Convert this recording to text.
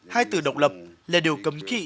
hai từ độc lập là điều cấm kỵ